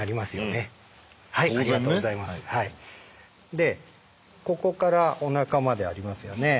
でここからお腹までありますよね。